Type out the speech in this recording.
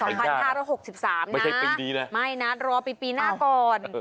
ไม่ใช่ปีนี้นะไม่นะรอปีหน้าก่อน